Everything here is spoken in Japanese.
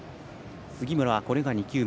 杉村はこれが２球目。